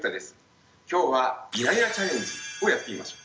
今日はイライラチャレンジをやってみましょう。